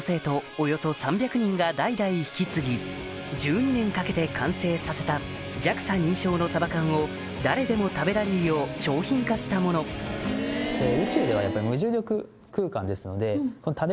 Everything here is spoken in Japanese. およそ３００人が代々引き継ぎ１２年かけて完成させたＪＡＸＡ認証のサバ缶を誰でも食べられるよう商品化したものになってます。